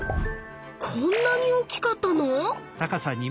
こんなに大きかったの⁉